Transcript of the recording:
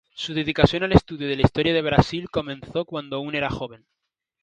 Su dedicación al estudio de la historia de Brasil comenzó cuando aún era joven.